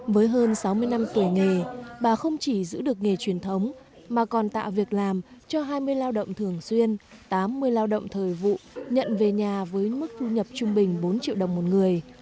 việc làm cho hai mươi lao động thường xuyên tám mươi lao động thời vụ nhận về nhà với mức thu nhập trung bình bốn triệu đồng một người